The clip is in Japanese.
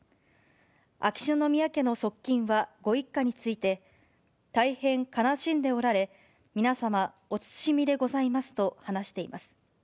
秋篠宮家の側近は、ご一家について、大変悲しんでおられ、皆様お慎みでございますと話しています。